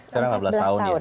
sekarang lima belas tahun ya